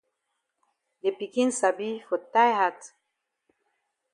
De pikin sabi for tie hat.